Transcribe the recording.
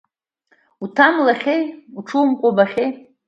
Уҭамлахьеи, уҽумкәабахьеи…